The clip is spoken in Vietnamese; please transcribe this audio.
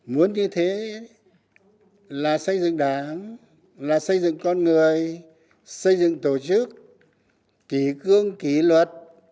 muốn như thế là xây dựng đảng là xây dựng con người xây dựng tổ chức kỷ cương kỷ luật